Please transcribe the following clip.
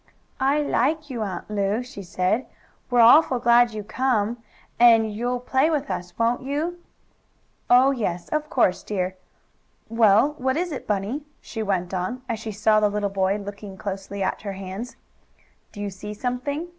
"I like you, Aunt Lu," she said. "We're awful glad you came, and you'll play with us; won't you?" "Oh, yes, of course, dear. Well, what is it, Bunny?" she went on, as she saw the little boy looking closely at her hands. "Do you see something?"